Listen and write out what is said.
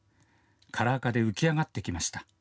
カラー化で浮き上がってきました。